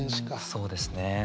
そうですね。